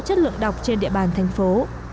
chất lượng đọc trên địa bàn thành phố